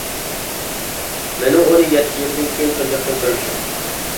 مېنىڭ ئۇنى يەتتە يىلدىن كېيىن تۇنجى قېتىم كۆرۈشۈم!